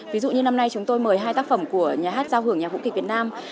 ví dụ như năm nay chúng tôi mời hai tác phẩm của nhà hát giao hưởng nhà vũ kịch việt nam